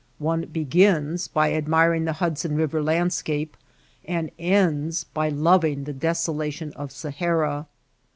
One be gins by admiring the Hudson Kiver landscape and ends by loving the desolation of Sahara.